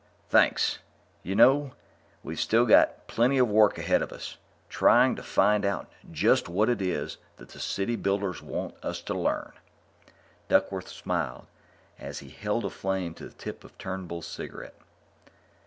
Thanks. You know, we've still got plenty of work ahead of us, trying to find out just what it is that the City builders want us to learn." Duckworth smiled as he held a flame to the tip of Turnbull's cigarette.